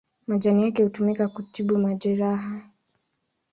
Majani yake hutumika kutibu majeraha.